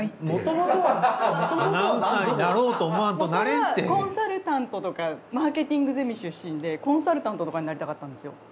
もとはコンサルタントとかマーケティングゼミ出身でコンサルタントとかになりたかったんですよ。